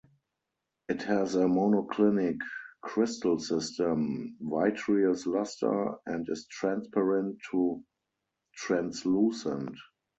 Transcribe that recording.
It has a monoclinic crystal system, vitreous luster, and is transparent to translucent.